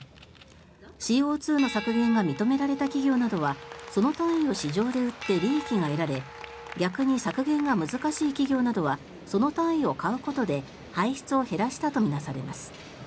ＣＯ２の削減が認められた企業などはその単位を市場で売って利益が得られ逆に削減が難しい企業などはその単位を買うことで排出を減らしたと見なされます。